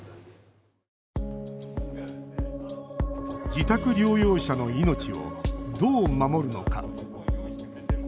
自宅療養者の命をどう守るのか。